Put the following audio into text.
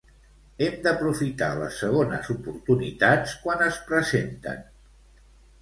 Hem d'aprofitar les segones oportunitats quan es presenten.